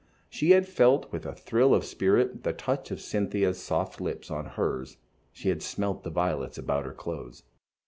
She had felt, with a thrill of spirit, the touch of Cynthia's soft lips on hers, she had smelt the violets about her clothes.